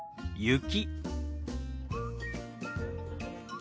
雪。